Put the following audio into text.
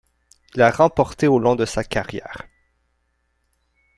Il a remporté au long de sa carrière.